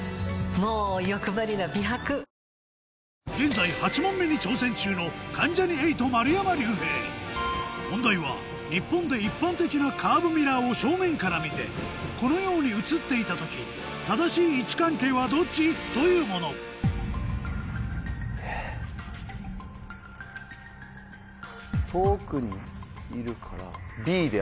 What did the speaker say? もうよくばりな美白現在８問目に挑戦中の問題は日本で一般的なカーブミラーを正面から見てこのように映っていた時正しい位置関係はどっち？というもの遠くにいるから。